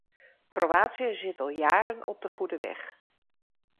Kroatië zit al jaren op de goede weg.